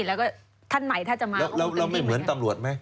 แล้วก็ท่านใหม่ถ้าจะมาเข้ามาเต็มที่แล้วเราไม่เหมือนตำรวจไหม